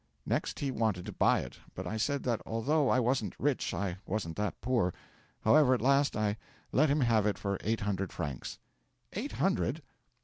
'Next, he wanted to buy it; but I said that although I wasn't rich I wasn't that poor. However, at last, I let him have it for eight hundred francs.' 'Eight hundred!'